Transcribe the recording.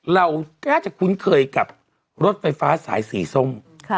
เราก็จะคุ้นเคยกับรถไฟฟ้าสายสีส้ม